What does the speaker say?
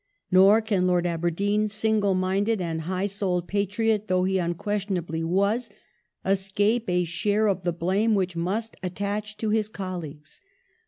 Nor can Lord Aberdeen, single minded and high souled patriot though he unquestionably was, escape a share of the blame which must attach to his colleagues.